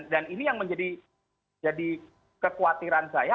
dan ini yang menjadi kekhawatiran saya